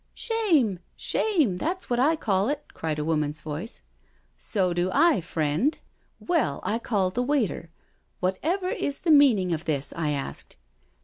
" "Shame — shame 1 that's what I call it," cried a woman's voice. " So do I, friend. Well, I called the waiter. ' What ever is the meaning of this?' I asked.